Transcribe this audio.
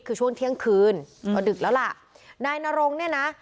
คือช่วงเที่ยงคืนก็ดึกแล้วล่ะนายนรงเนี่ยนะ